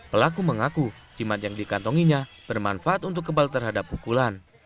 pelaku mengaku jimat yang dikantonginya bermanfaat untuk kebal terhadap pukulan